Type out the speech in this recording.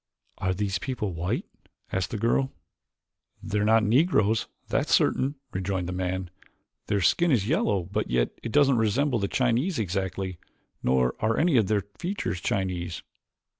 "Are these people white?" asked the girl. "They're not Negroes, that's certain," rejoined the man. "Their skin is yellow, but yet it doesn't resemble the Chinese exactly, nor are any of their features Chinese."